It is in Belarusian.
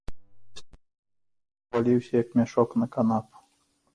Пасля гэтага стары паваліўся, як мяшок, на канапу.